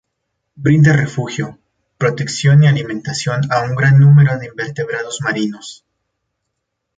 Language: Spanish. Brinda refugio, protección y alimentación a un gran número de invertebrados marinos.